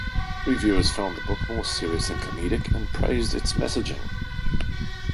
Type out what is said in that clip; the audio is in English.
Reviewers found the book more serious than comedic and praised its messaging.